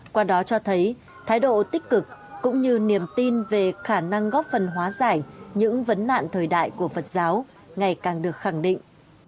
qua đó cho thấy thái độ tích cực cũng như niềm tin về khả năng góp phần hóa giải những vấn nạn thời đại của phật giáo ngày càng được khẳng định